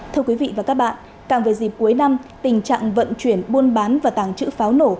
thưa quý vị và các bạn càng về dịp cuối năm tình trạng vận chuyển buôn bán và tàng trữ pháo nổ